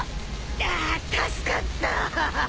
よかった！